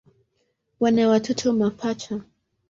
Wana watoto mapacha.